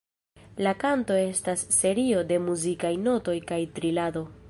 La kanto estas serio de muzikaj notoj kaj trilado.